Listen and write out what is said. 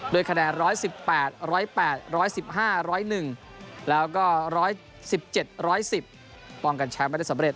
คะแนน๑๑๘๐๘๑๕๐๑แล้วก็๑๑๗๑๐ป้องกันแชมป์ไม่ได้สำเร็